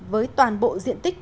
với toàn bộ diện tích